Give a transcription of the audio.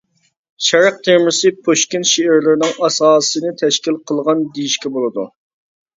شەرق تېمىسى پۇشكىن شېئىرلىرىنىڭ ئاساسىنى تەشكىل قىلغان دېيىشكە بولىدۇ.